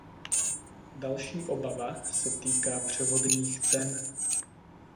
Další obava se týká převodních cen.